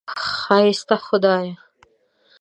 ښایسته خدایه!